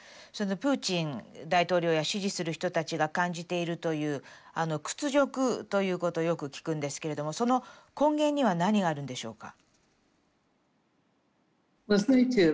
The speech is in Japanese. プーチン大統領や支持する人たちが感じているという屈辱ということをよく聞くんですけれどもその根源には何があるんでしょうか？